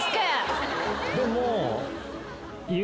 でも。